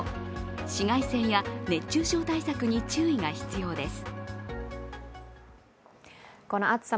紫外線や熱中症対策に注意が必要です。